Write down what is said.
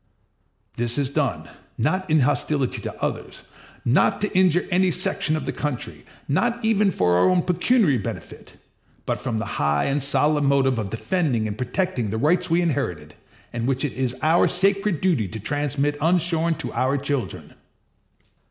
This is done, not in hostility to others, not to injure any section of the country, not even for our own pecuniary benefit, but from the high and solemn motive of defending and protecting the rights we inherited, and which it is our sacred duty to transmit unshorn to our children.